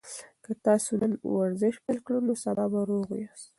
که تاسي نن ورزش پیل کړئ نو سبا به روغ یاست.